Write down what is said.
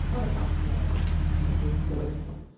いやあのごめん。